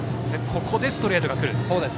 ここでストレートが来る。